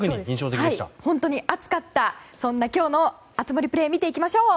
本当に熱かったそんな今日の熱盛プレー見ていきましょう。